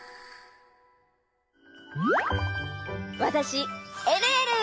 わたしえるえる！